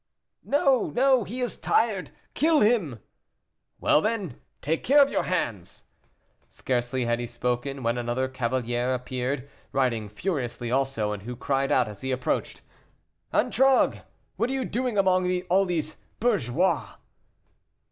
"No, no, he is tired, kill him!" "Well, then, take care of your hands!" Scarcely had he spoken when another cavalier appeared, riding furiously also, and who cried out as he approached: "Antragues, what are you doing among all these bourgeois?"